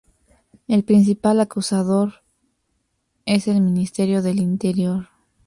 El principal acusador es el Ministerio del Interior.